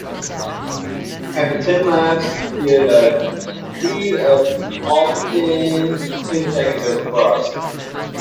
After ten laps, he had a lead of ten seconds over Prost.